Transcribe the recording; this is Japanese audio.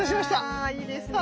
あいいですね。